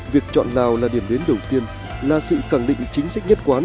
việc chọn lào là điểm đến đầu tiên là sự cẳng định chính sách nhất quán